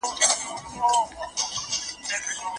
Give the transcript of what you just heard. مفرور ناول په زړه پوري کیسه لري.